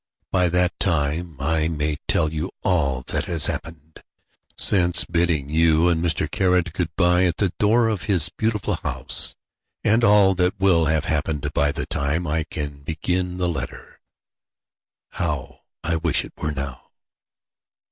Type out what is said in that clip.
By that time I may tell you all that has happened, since bidding you and Mr. Caird good bye, at the door of his beautiful house, and all that will have happened by the time I can begin the letter. How I wish it were now!